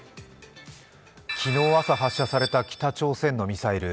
昨日朝発射された北朝鮮のミサイル。